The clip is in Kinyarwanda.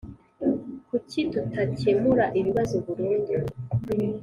kuki tutakemura ikibazo burundu?